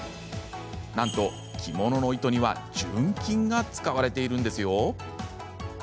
なんと着物の糸には純金が使われているんですよ。